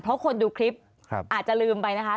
เพราะคนดูคลิปอาจจะลืมไปนะคะ